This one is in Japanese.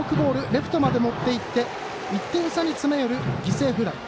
レフトまで持っていって１点差に詰め寄る犠牲フライ。